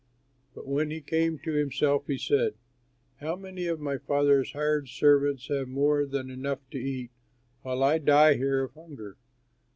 But when he came to himself he said, 'How many of my father's hired servants have more than enough to eat while I die here of hunger!